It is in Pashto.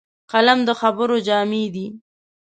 قلم د خبرو جامې دي